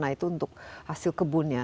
nah itu untuk hasil kebunnya